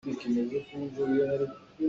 Hmai zarh ah amah phung a chim lai.